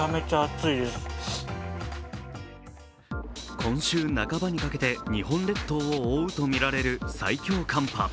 今週半ばにかけて日本列島を覆うとみられる最強寒波。